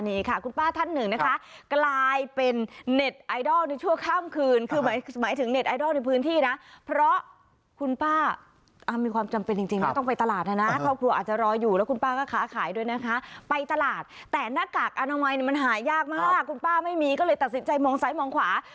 หน้ากากอนามัยมันหายยากมากคุณป้าไม่มีก็เลยตัดสินใจมองซ้ายมองขวา